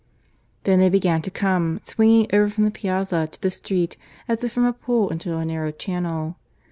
Then they began to come, swinging over from the piazza to the street as if from a pool into a narrow channel.